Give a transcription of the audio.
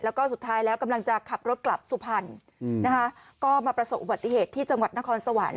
แล้วก็สุดท้ายแล้วกำลังจะขับรถกลับสุพรรณนะคะก็มาประสบอุบัติเหตุที่จังหวัดนครสวรรค์